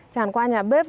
chàn qua nhà bếp